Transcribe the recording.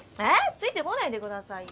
ついてこないでくださいよ。